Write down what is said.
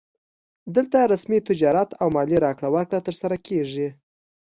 دلته رسمي تجارت او مالي راکړه ورکړه ترسره کیږي